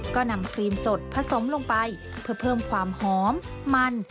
ก็นำครีมสดผสมลงไปเพื่อเพิ่มความหอมมัน